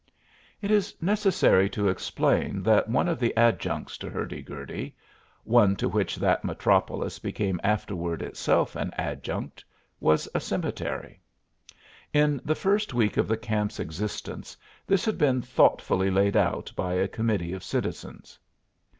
It is necessary to explain that one of the adjuncts to Hurdy Gurdy one to which that metropolis became afterward itself an adjunct was a cemetery. In the first week of the camp's existence this had been thoughtfully laid out by a committee of citizens.